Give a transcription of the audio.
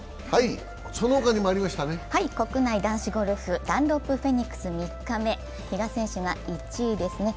国内男子ゴルフダンロップフェニックス３日目、比嘉選手が１位ですね。